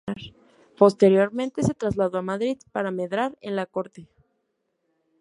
Posteriormente se trasladó a Madrid para medrar en la Corte.